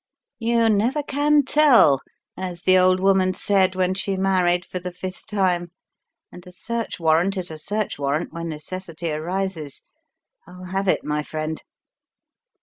"You never can tell, as the old woman said when she married for the fifth time, and a search warrant is a search warrant when necessity arises. I'll have it, my friend."